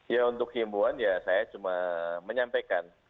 ya untuk himbuan ya saya cuma menyampaikan